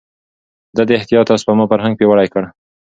ده د احتياط او سپما فرهنګ پياوړی کړ.